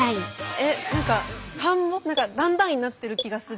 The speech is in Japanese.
えっ何か段々になってる気がする。